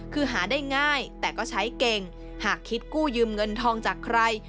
คือหาได้ง่ายแต่ก็ใช้เก่งหากคิดกู้ยืมเงินทองจากใคร